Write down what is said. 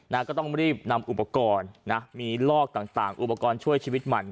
ก็ต้องรีบนำอุปกรณ์นะมีลอกต่างอุปกรณ์ช่วยชีวิตมัน